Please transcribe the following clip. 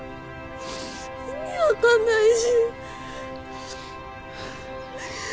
意味分かんないしっ。